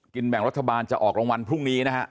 แบ่งรัฐบาลจะออกรางวัลพรุ่งนี้นะฮะ